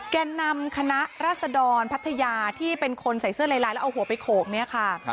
แก่นำคณะรัศดรพัทยาที่เป็นคนใส่เสื้อลายแล้วเอาหัวไปโขกเนี่ยค่ะ